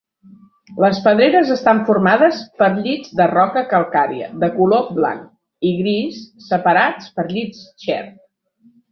Les pedreres estan formades per llits de roca calcària de color blanc i gris separats per llits chert.